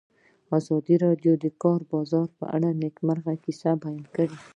ازادي راډیو د د کار بازار په اړه د نېکمرغۍ کیسې بیان کړې.